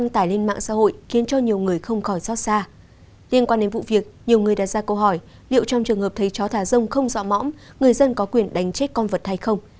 trong vụ việc nhiều người đã ra câu hỏi liệu trong trường hợp thấy chó thả rông không rõ mõm người dân có quyền đánh chết con vật hay không